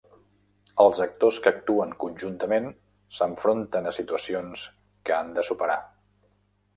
Els actors que actuen conjuntament s'enfronten a situacions que han de superar.